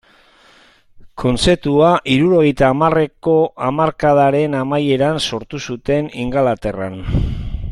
Kontzeptua hirurogeita hamarreko hamarkadaren amaieran sortu zuten Ingalaterran.